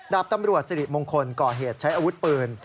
ดาบตำรวจสิริมงคลก่อเหตุใช้อาวุธปืน